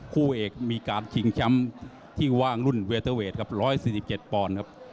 คู่เอกมีการชิงแชมป์ที่ว่างรุ่นเวเตอร์เวทครับ๑๔๗ปอนด์ครับ